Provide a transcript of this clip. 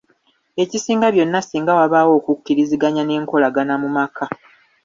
Ekisinga byonna singa wabaawo okukkiriziganya n'enkolagana mu maka.